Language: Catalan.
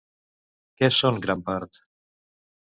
Què són gran part?